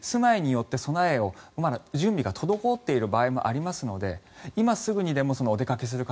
住まいによって備えが滞っている場合がありますので今すぐにでもお出かけする方